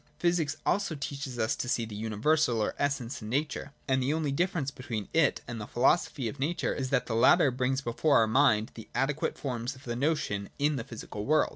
Physics also teaches us to see the universal or essence in Nature : and the only difference between it and the Philosophy of Nature is that the latter brings before our mind the adequate forms of the notion in the physical world.